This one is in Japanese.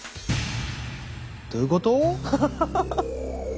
どういうこと？